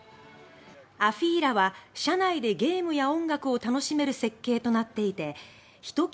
アフィーラは車内でゲームや音楽を楽しめる設計となっていてひと際